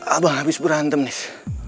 abang habis berantem nis